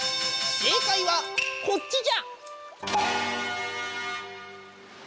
正解はこっちじゃ。